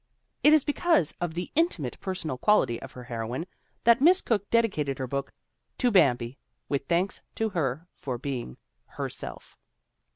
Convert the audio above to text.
It is because of the intimate personal quality of her heroine that Miss Cooke dedicated her book "To Bam bi, with thanks to her for being Herself